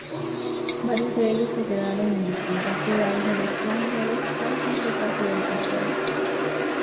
Varios de ellos se quedaron en distintas ciudades del extranjero para completar su educación.